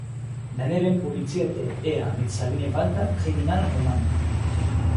Daneben publizierte er mit Sabine Walther Kriminalromane.